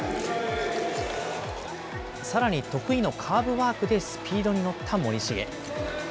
さらに得意のカーブワークでスピードに乗った森重。